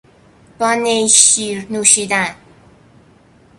با نی شیر نوشیدن